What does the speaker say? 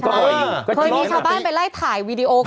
เคยมีชาวบ้านไปไล่ถ่ายวีดีโอ